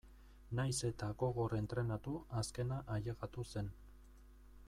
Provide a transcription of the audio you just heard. Nahiz eta gogor entrenatu azkena ailegatu zen.